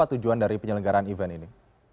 apa tujuan dari penyelenggaraan event ini